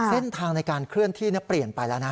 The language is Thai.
เส้นทางในการเคลื่อนที่เปลี่ยนไปแล้วนะ